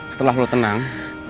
setelah lo tenang